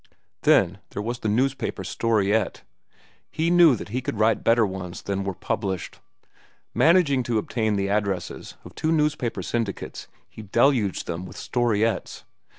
Then there was the newspaper storiette. He knew that he could write better ones than were published. Managing to obtain the addresses of two newspaper syndicates, he deluged them with storiettes.